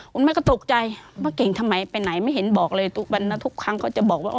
คุณแม่ก็ตกใจว่าเก่งทำไมไปไหนไม่เห็นบอกเลยทุกครั้งก็จะบอกว่า